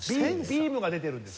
ビームが出てるんです。